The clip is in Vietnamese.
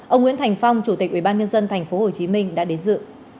ông nguyễn thành phong chủ tịch ủy ban nhân dân tp hcm đã đến dự